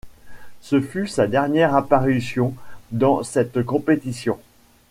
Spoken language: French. Ce fut sa dernière apparition dans cette compétition.